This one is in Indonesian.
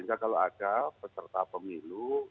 kepada peserta pemilu